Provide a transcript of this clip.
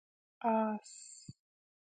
🐎 آس